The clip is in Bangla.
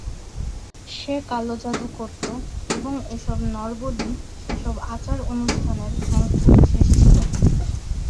সে কালো জাদু করত এবং এসব নরবলি সেসব আচার-অনুষ্ঠানের অংশবিশেষ ছিল।